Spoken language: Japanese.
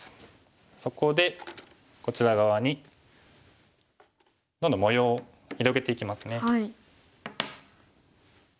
そこでこちら側にどんどん模様を広げていきますね。